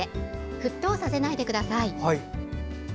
沸騰させないでください。